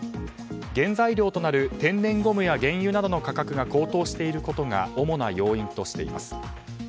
原材料となる天然ゴムや原油などの価格が高騰していることが主な要因としています。